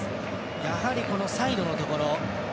やはりサイドのところ。